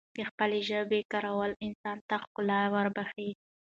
دخپلې ژبې کارول انسان ته ښکلا وربښی